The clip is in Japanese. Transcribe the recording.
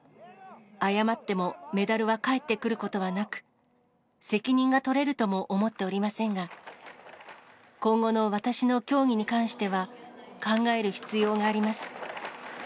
謝ってもメダルは返ってくることはなく、責任が取れるとも思っておりませんが、今後の私の競技に関しては、考える必要があります。